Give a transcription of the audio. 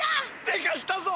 でかしたぞ！